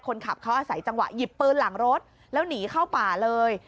คนขับเขาอาศัยจังหวะหยิบปืนหลังรถแล้วหนีเข้าป่าเลย